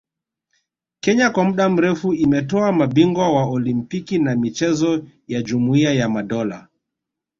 Kenya kwa muda mrefu imetoa mabingwa wa Olimpiki na michezo ya Jumuia ya Madola